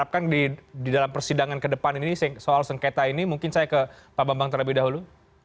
apa yang anda harapkan di dalam persidangan kedepan ini soal sengketa ini mungkin saya ke pak bambang terlebih dahulu